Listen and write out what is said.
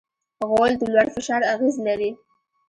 غول د لوړ فشار اغېز لري.